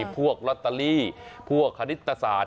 พวกลอตเตอรี่พวกคณิตศาสตร์